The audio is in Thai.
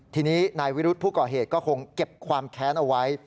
ทีนี้นายวิรุธผู้ก่อเหตุก็คงเก็บความแค้นเอาไว้